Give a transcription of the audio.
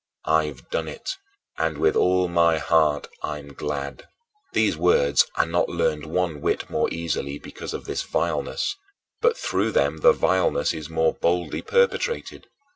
I've done it, and with all my heart, I'm glad." These words are not learned one whit more easily because of this vileness, but through them the vileness is more boldly perpetrated.